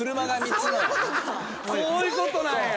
そういうことなんや。